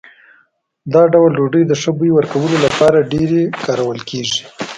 دا ډول ډوډۍ د ښه بوی ورکولو لپاره ډېرې کارول کېږي.